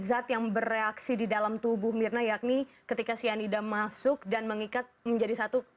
zat yang bereaksi di dalam tubuh mirna yakni ketika cyanida masuk dan mengikat menjadi satu